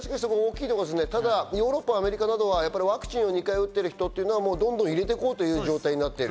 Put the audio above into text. ヨーロッパやアメリカはワクチンを２回打ってる人っていうのはどんどん入れて行こうという状態になってる。